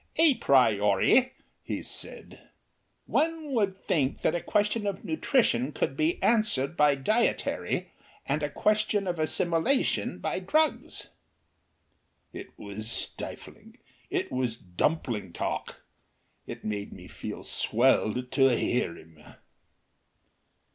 "A priori," he said, "one would think a question of nutrition could be answered by dietary and a question of assimilation by drugs." It was stifling. It was dumpling talk. It made me feel swelled to hear him.